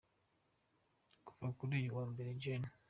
Kuva kuri uyu wa Mbere, Gen.